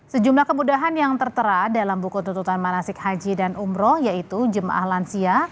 sejumlah kemudahan yang tertera dalam buku tututan manasik haji dan umroh yaitu jemaah lansia